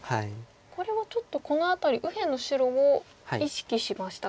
これはちょっとこの辺り右辺の白を意識しましたか。